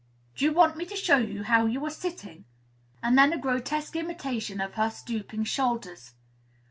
"Do you want me to show you how you are sitting?" and then a grotesque imitation of her stooping shoulders.